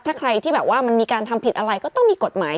ถ้าใครที่แบบว่ามันมีการทำผิดอะไรก็ต้องมีกฎหมาย